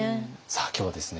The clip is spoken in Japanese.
さあ今日はですね